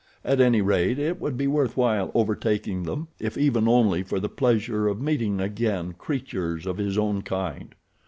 At any rate it would be worth while overtaking them if even only for the pleasure of meeting again creatures of his own kind.